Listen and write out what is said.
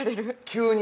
◆急に？